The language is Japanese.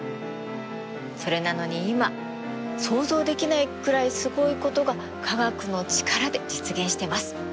それなのに今想像できないくらいすごいことが科学の力で実現してます。